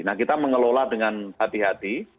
nah kita mengelola dengan hati hati